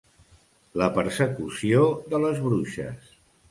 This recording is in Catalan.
La Persecució de les Bruixes.